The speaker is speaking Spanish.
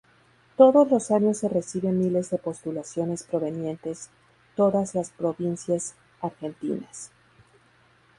Todos los años se reciben miles de postulaciones provenientes todas las provincias argentinas.